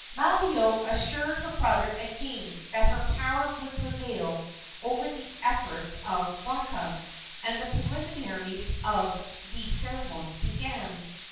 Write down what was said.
Malio assured her brother again that her power would prevail over the efforts of Waka, and the preliminaries of the ceremony began.